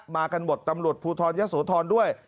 มากันหมดตำรวจภูทรยะโสธรด้วย